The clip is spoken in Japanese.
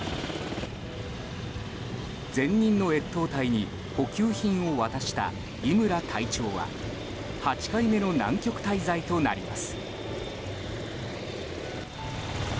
前任の越冬隊に補給品を渡した伊村隊長は８回目の南極滞在となります。